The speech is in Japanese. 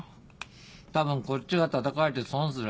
多分こっちがたたかれて損する。